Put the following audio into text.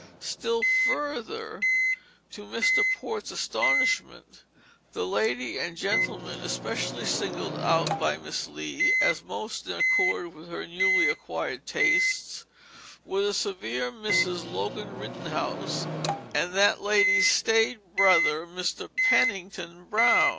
Still further to Mr. Port's astonishment, the lady and gentleman especially singled out by Miss Lee as most in accord with her newly acquired tastes were the severe Mrs. Logan Rittenhouse and that lady's staid brother, Mr. Pennington Brown.